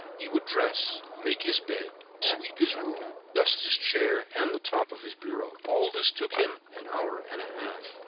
He would dress, make his bed, sweep his room, dust his chair and the top of his bureau. All this took him an hour and a half.